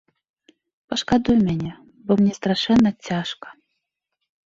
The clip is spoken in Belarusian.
Пашкадуй мяне, бо мне страшэнна цяжка.